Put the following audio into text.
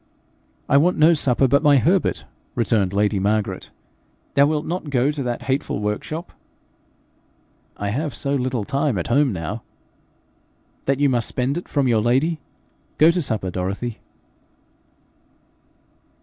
'I want no supper but my Herbert,' returned lady Margaret. 'Thou wilt not go to that hateful workshop?' 'I have so little time at home now ' 'That you must spend it from your lady? Go to supper, Dorothy.'